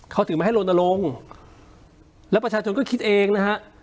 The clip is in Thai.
เขาถึงไม่ให้ลนลงแล้วประชาชนก็คิดเองนะฮะ